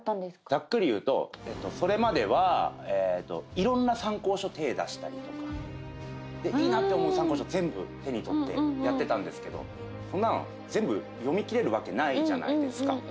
ざっくり言うとそれまではいいなって思う参考書全部手に取ってやってたんですけどそんなの全部読み切れるわけないじゃないですか？